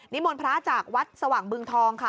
มนต์พระจากวัดสว่างบึงทองค่ะ